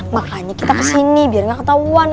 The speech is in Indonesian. makanya kita kesini biar gak ketahuan